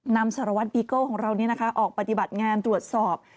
นำสารวัตรบีเกิ้ลของเรานี้นะคะออกปฏิบัติงานตรวจสอบ